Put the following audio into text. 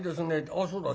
「あっそうだ。